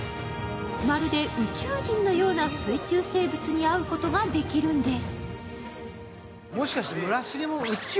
まるで宇宙人のような水中生物に会うことができるんです。